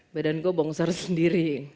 badan gue bongsor sendiri